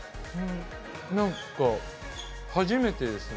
何か、初めてですね。